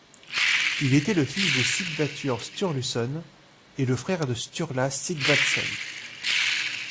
Il était le fils de Sighvatur Sturluson et le frère de Sturla Sighvatsson.